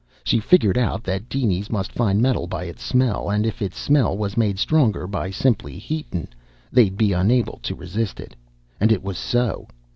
She figured out that dinies must find metal by its smell, and if its smell was made stronger by simple heatin' they'd be unable to resist it. And it was so.